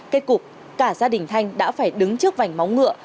kết cục cả gia đình thanh đã phải đứng trước vành máu ngựa